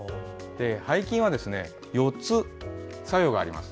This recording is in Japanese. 背筋は、４つ作用があります。